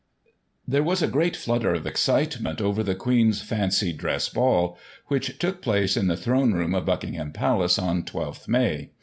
There was a great flutter of excitement over the Queen's Fancy Dress Ball, which took place in the Throne Room of Buckingham Palace on 12th May.